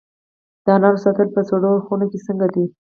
د انارو ساتل په سړو خونو کې څنګه دي؟